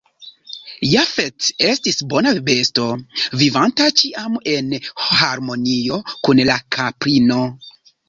Jafet estis bona besto, vivanta ĉiam en harmonio kun la kaprino.